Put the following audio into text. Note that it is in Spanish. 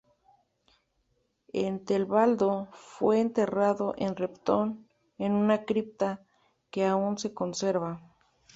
Ethelbaldo fue enterrado en Repton, en una cripta que aún se conserva.